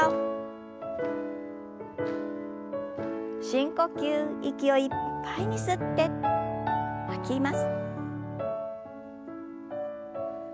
深呼吸息をいっぱいに吸って吐きます。